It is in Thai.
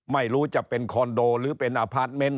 ไม่รู้จะเป็นคอนโดหรือเป็นอพาร์ทเมนต์